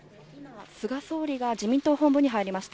菅総理が自民党本部に入りました。